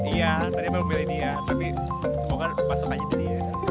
iya tadi aku mau milih dia tapi semoga masuk aja ke dia